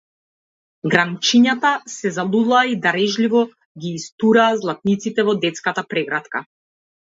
Гранчињата се залулаа и дарежливо ги истураа златниците во детската прегратка.